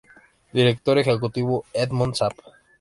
Director Ejecutivo: Edmond Saab